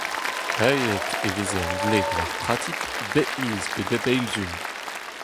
Paeet e veze an dle gant ar pratik bep miz pe bep eil sizhun.